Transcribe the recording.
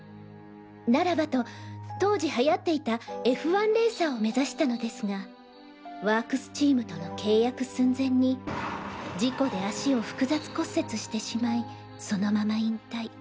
ならばと当時流行っていたＦ１レーサーを目指したのですがワークスチームとの契約寸前に事故で足を複雑骨折してしまいそのまま引退。